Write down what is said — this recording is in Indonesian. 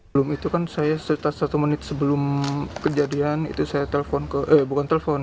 belum itu kan saya setelah satu menit sebelum kejadian itu saya telepon eh bukan telepon